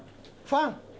ファン！